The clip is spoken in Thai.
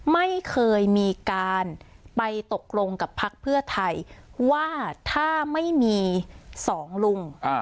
ไม่เคยมีการไปตกลงกับพักเพื่อไทยว่าถ้าไม่มีสองลุง